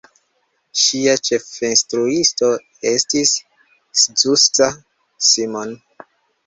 Ŝia ĉefinstruisto estis Zsuzsa Simon.